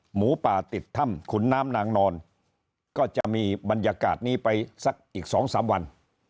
หมูป่าติดถ้ำขุนน้ำนางนอนก็จะมีบรรยากาศนี้ไปสักอีก๒๓วัน